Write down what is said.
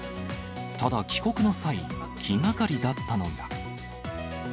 ただ、帰国の際、気がかりだったのが。